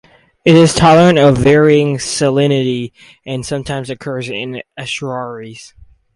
It is tolerant of varying salinity and sometimes occurs in estuaries.